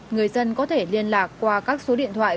người dân có thể liên lạc qua các số điện thoại